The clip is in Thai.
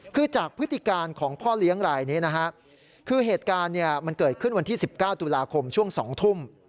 คือจากพฤติการของพ่อเลี้ยงรายนี้นะฮะคือเหตุการณ์มันเกิดขึ้นวันที่๑๙ตุลาคมช่วง๒ทุ่ม